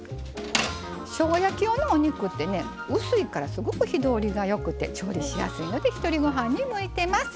しょうが焼き用のお肉って薄いからすごく火通りがよくて調理しやすいのでひとりごはんに向いています。